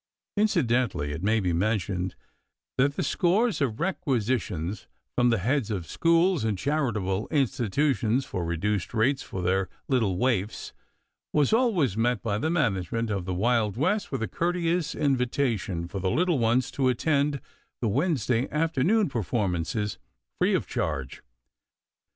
Incidentally it may be mentioned that the scores of requisitions from the heads of schools and charitable institutions for reduced rates for "their little waifs," was always met by the management of the Wild West with a courteous invitation for the little ones to attend the Wednesday afternoon performances free of charge.